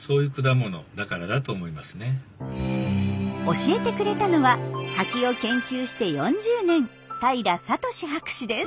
教えてくれたのはカキを研究して４０年平智博士です。